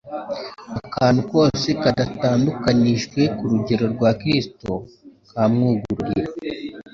Akantu kose kadatandukanijwe ku rugero rwa Kristo kamwugururira